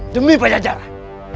demi pajak jarak